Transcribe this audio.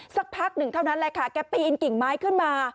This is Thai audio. สักพักหนึ่งเท่านั้นแหละค่ะแกปีนกิ่งไม้ขึ้นมา